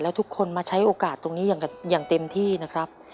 ทุกคนมาใช้โอกาสตรงนี้อย่างเต็มที่นะครับ